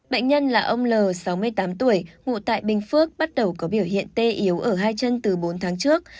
bệnh nhân là ông l sáu mươi tám tuổi ngụ tại bình phước bắt đầu có biểu hiện tê yếu ở hai chân từ bốn tháng trước